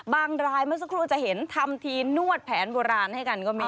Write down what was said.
รายเมื่อสักครู่จะเห็นทำทีนวดแผนโบราณให้กันก็มี